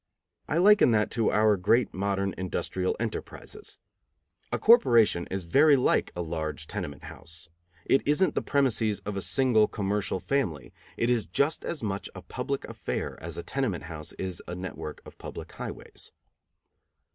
I liken that to our great modern industrial enterprises. A corporation is very like a large tenement house; it isn't the premises of a single commercial family; it is just as much a public affair as a tenement house is a network of public highways.